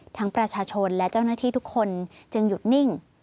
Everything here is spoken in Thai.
ประชาชนและเจ้าหน้าที่ทุกคนจึงหยุดนิ่ง